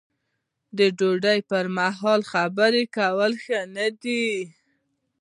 د ډوډۍ پر مهال خبرې کول ښه نه دي.